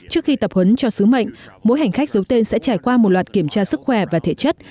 trước khi tập huấn cho sứ mệnh mỗi hành khách giấu tên sẽ trải qua một loạt kiểm tra sức khỏe và thể chất